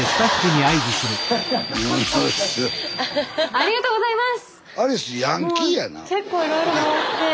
ありがとうございます！